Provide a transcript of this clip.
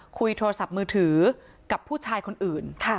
คุยโทรศัพท์มือถือกับผู้ชายคนอื่น